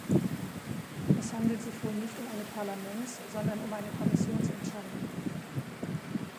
Es handelt sich wohl nicht um eine Parlaments-, sondern um eine Kommissionsentscheidung.